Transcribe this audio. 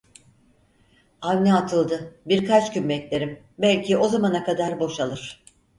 Avni atıldı: Birkaç gün beklerim, belki o zamana kadar boşalır.